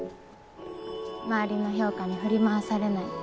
周りの評価に振り回されない。